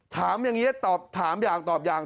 ถามอย่างนี้ตอบถามอย่างตอบอย่าง